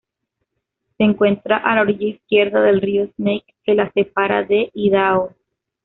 Se encuentra a la orilla izquierda del río Snake, que la separa de Idaho.